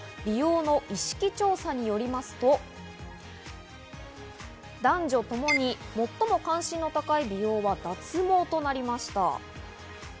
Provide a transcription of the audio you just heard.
美容の意識調査によりますと、男女ともに最も関心の高い美容は脱毛となりました。